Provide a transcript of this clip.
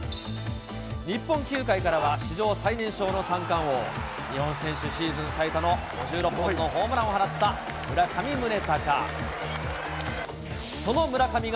日本球界からは、史上最年少の三冠王、日本選手シーズン最多の５６本のホームランを放った村上宗隆。